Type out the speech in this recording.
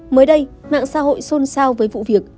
mới đây mạng xã hội xôn xao với vụ việc